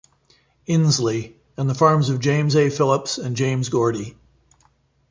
Insley, and the farms of James A. Phillips and James Gordy.